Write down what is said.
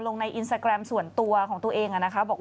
ลงในอินสตาแกรมส่วนตัวของตัวเองนะคะ